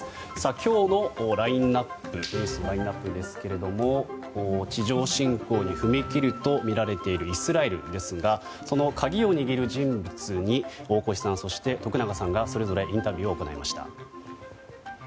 今日のニュースのラインアップですけれども地上侵攻に踏み切るとみられているイスラエルですがその鍵を握る人物に大越さん、徳永さんがそれぞれインタビューを行いました。